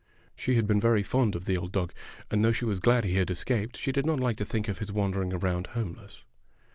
She had been very fond of the old dog, and though she was glad he had escaped she did not like to think of his wandering around homeless.